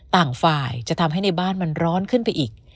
ต่างฝ่ายจะทำให้ในบ้านมันร้อนขึ้นไปอีก